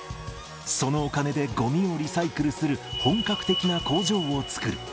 そのお金でごみをリサイクルする本格的な工場を作る。